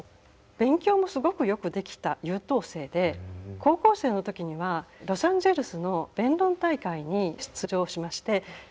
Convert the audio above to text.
勉強もすごくよくできた優等生で高校生の時にはロサンゼルスの弁論大会に出場しまして見事優勝しています。